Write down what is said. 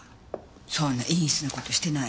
そんな陰湿な事してないで。